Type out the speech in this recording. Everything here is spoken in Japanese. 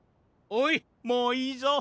おいもういいぞ。